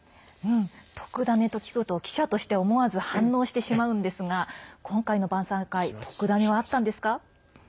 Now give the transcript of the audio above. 特ダネと聞くと記者として思わず反応してしまうんですが今回の晩さん会特ダネはあったんですか？